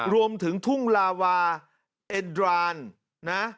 รวมถึงทุ่งลาวาเอ็นดรานนะ